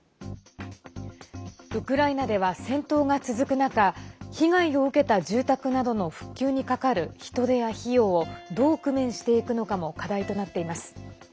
ウクライナでは戦闘が続く中被害を受けた住宅などの復旧にかかる人手や費用をどう工面していくのかも課題となっています。